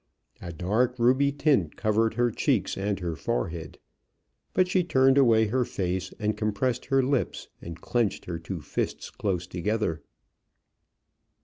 A dark ruby tint covered her cheeks and her forehead; but she turned away her face, and compressed her lips, and clenched her two fists close together.